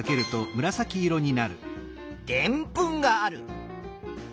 でんぷんがある。